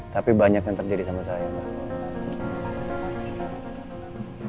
tapi banyak yang terjadi sama saya mbak